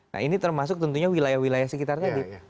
nah ini termasuk tentunya wilayah wilayah sekitarnya